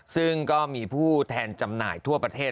ซึ่งก็มีผู้แทนจำหน่ายทั่วประเทศ